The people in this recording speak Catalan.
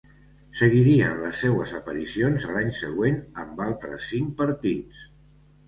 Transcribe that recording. Seguirien les seues aparicions a l'any següent amb altres cinc partits.